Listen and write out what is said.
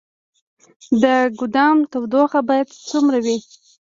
د ګدام تودوخه باید څومره وي؟